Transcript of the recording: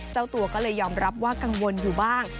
เจ้าตัวก็เลยยอมรับว่ากังวลอยู่บ้าง